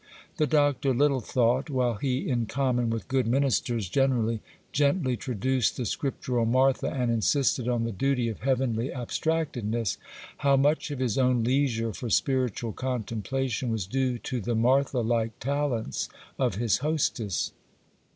The Doctor little thought, while he, in common with good ministers generally, gently traduced the Scriptural Martha and insisted on the duty of heavenly abstractedness, how much of his own leisure for spiritual contemplation was due to the Martha like talents of his hostess.